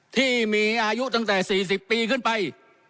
ที่มีอายุตั้งแต่๔๐ปีขึ้นไป